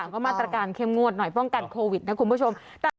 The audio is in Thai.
ก็มาตรการเข้มงวดหน่อยป้องกันโควิดนะคุณผู้ชม